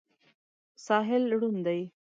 ساحل ړوند دی.